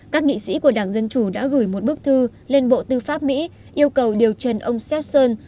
các nghị sĩ của đảng dân chủ đã gửi một bức thư lên bộ tư pháp mỹ yêu cầu điều trần ông seleson